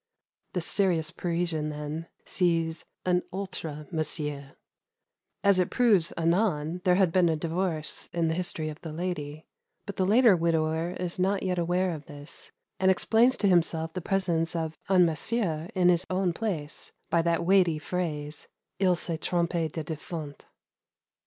The serious Parisian, then, sees "un autre monsieur;" as it proves anon, there had been a divorce in the history of the lady, but the later widower is not yet aware of this, and explains to himself the presence of "un monsieur" in his own place by that weighty phrase, "Il s'est trompe de defunte."